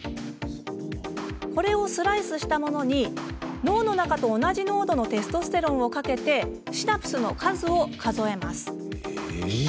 これをスライスしたものに脳の中と同じ濃度のテストステロンをかけてシナプスの数を数えます。